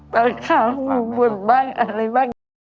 ป้าขาวหนูบ่นบ้างอะไรบ้าง